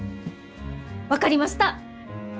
分かりました！